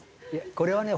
これはね